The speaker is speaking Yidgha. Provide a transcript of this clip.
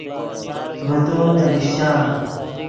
ڤے تو نے لیشچان